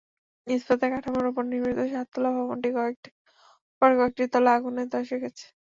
ইস্পাতের কাঠামোর ওপর নির্মিত সাততলা ভবনটির ওপরের কয়েকটি তলা আগুনে ধসে গেছে।